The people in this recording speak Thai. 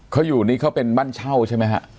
เขาอยู่นี่เขาเป็นบ้านเช่าใช่ไหมฮะ